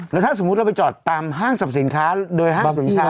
แล้วถ้าสมมุติเราไปจอดตามห้างสรรพสินค้าโดยห้างสรรพสินค้า